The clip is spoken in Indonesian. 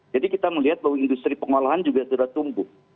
jadi kita melihat bahwa industri pengelolaan juga sudah tumbuh